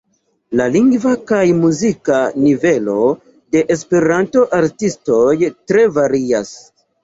La lingva kaj muzika nivelo de Esperanto-artistoj tre varias.